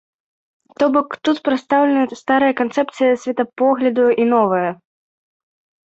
То бок тут прадстаўлена старая канцэпцыя светапогляду і новая.